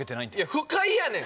不快やねん！